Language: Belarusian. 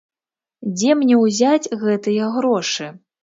Дзе мне ўзяць гэтыя грошы?